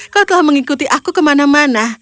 kau telah mengikuti aku kemana mana